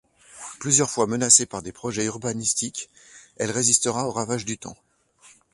Plusieurs fois menacée par des projets urbanistiques, elle résistera aux ravages du temps.